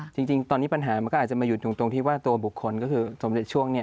จริงตอนนี้ปัญหามันก็อาจจะมาอยู่ตรงที่ว่าตัวบุคคลก็คือสมเด็จช่วงนี้